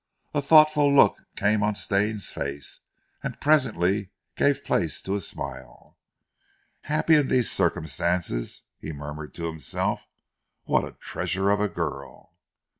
A thoughtful look came on Stane's face, and presently gave place to a smile. "Happy in these circumstances!" he murmured to himself. "What a treasure of a girl!"